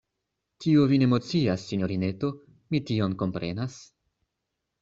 Tio vin emocias, sinjorineto: mi tion komprenas.